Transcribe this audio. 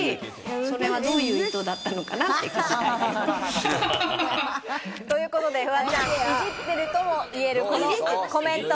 それはどういう意図だったのかなって聞きたいです。ということで、フワちゃん、いじってるともいえるこのコメント。